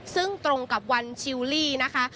ซึ่งตรงกับวันชิลลี่นะคะ